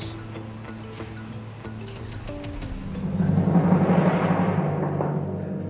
nirit doang tapi gak dibals